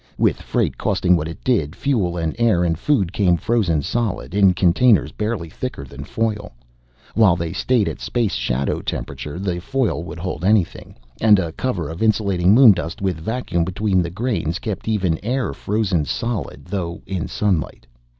With freight costing what it did, fuel and air and food came frozen solid, in containers barely thicker than foil. While they stayed at space shadow temperature, the foil would hold anything. And a cover of insulating moondust with vacuum between the grains kept even air frozen solid, though in sunlight.